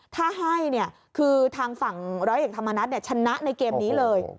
ถ้าให้คือทางฝั่งร้อยเอกธรรมนัฐชนะในเกมนี้เลย